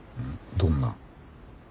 どんな？